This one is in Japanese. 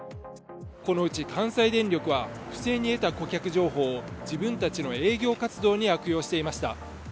このうち関西電力は不正に得た顧客情報を自分たちの営業活動に悪用していました。